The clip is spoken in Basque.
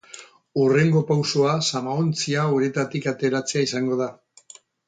Hurrengo pausoa, zamaontzia uretatik ateratzea izango da.